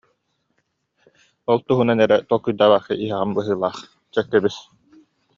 Ол туһунан эрэ толкуйдаабакка иһэҕин быһыылаах, чэ, кэбис